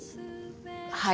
はい。